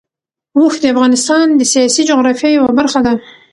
اوښ د افغانستان د سیاسي جغرافیه یوه برخه ده.